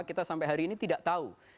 kita sampai hari ini tidak tahu